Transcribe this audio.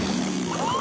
ああ！